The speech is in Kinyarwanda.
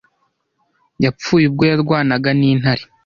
yapfuye ubwo yarwanaga n'intare